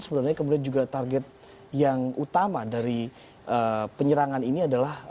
sebenarnya kemudian juga target yang utama dari penyerangan ini adalah